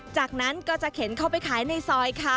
จากนั้นก็จะเข็นเข้าไปขายในซอยค่ะ